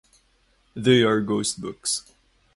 They are ghost books.